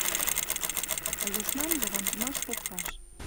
А южнамжы ванжымаш стопкаш...